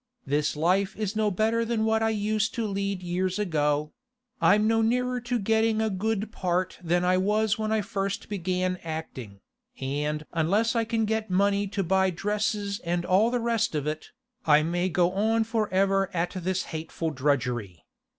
This life is no better than what I used to lead years ago; I'm no nearer to getting a good part than I was when I first began acting, and unless I can get money to buy dresses and all the rest of it, I may go on for ever at this hateful drudgery.